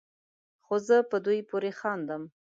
خو زه په دوی پورې خاندم